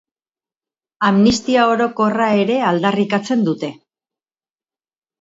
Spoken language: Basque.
Amnistia orokorra ere aldarrikatzen dute.